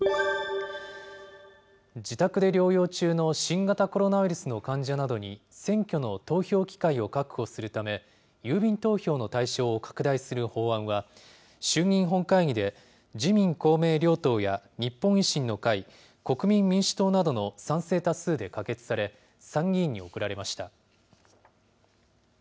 自宅で療養中の新型コロナウイルスの患者などに、選挙の投票機会を確保するため、郵便投票の対象を拡大する法案は、衆議院本会議で、自民、公明両党や、日本維新の会、国民民主党などの賛成多数で可決され、参議院に送られました。